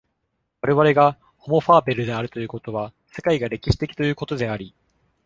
我々がホモ・ファーベルであるということは、世界が歴史的ということであり、